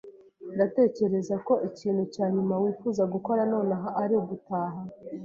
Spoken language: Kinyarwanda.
Ndatekereza ko ikintu cya nyuma wifuza gukora nonaha ari ugutaha.